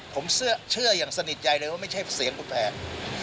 ผมเชื่ออย่างสนิทใจเลยว่าไม่ใช่เสียงแปลก